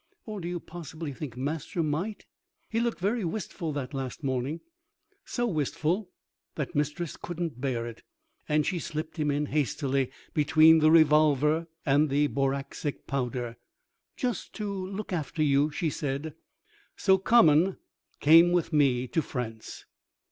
"Or do you possibly think Master might " He looked very wistful that last morning, so wistful that Mistress couldn't bear it, and she slipped him in hastily between the revolver and the boracic powder, "Just to look after you," she said. So Common came with me to France.